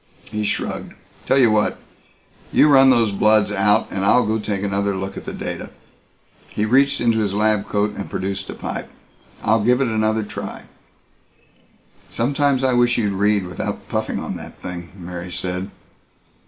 He shrugged. "Tell you what. You run those bloods out and I'll go take another look at the data." He reached into his lab coat and produced a pipe. "I'll give it another try." "Sometimes I wish you'd read without puffing on that thing," Mary said.